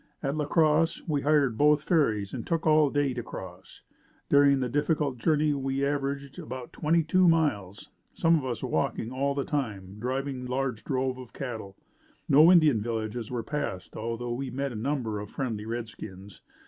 At La Crosse we hired both ferries and took all day to cross. During the difficult journey we averaged about twenty two miles, some of us walking all the time driving the large drove of cattle. No Indian villages were passed although we met a number of friendly redskins.